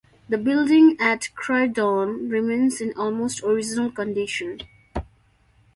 The building at Croydon remains in almost original condition.